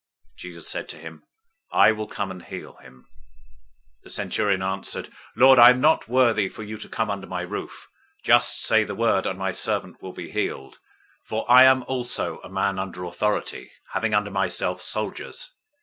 008:007 Jesus said to him, "I will come and heal him." 008:008 The centurion answered, "Lord, I'm not worthy for you to come under my roof. Just say the word, and my servant will be healed. 008:009 For I am also a man under authority, having under myself soldiers.